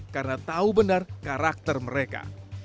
karena tahu benar karakter mereka